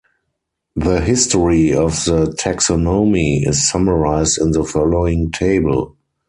The history of the taxonomy is summarised in the following table.